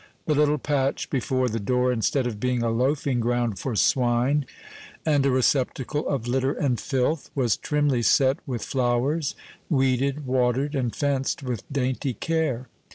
The little patch before the door, instead of being a loafing ground for swine, and a receptacle of litter and filth, was trimly set with flowers, weeded, watered, and fenced with dainty care.